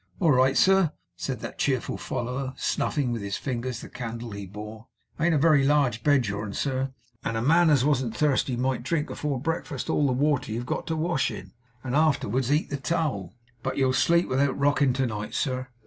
'All right, sir,' said that cheerful follower, snuffing with his fingers the candle he bore. 'It ain't a very large bed, your'n, sir; and a man as wasn't thirsty might drink, afore breakfast, all the water you've got to wash in, and afterwards eat the towel. But you'll sleep without rocking to night, sir.